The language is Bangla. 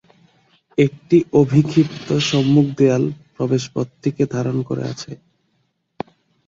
একটি অভিক্ষিপ্ত সম্মুখ দেয়াল প্রবেশ পথটিকে ধারণ করে আছে।